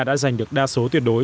đã giành được đa số tuyệt đối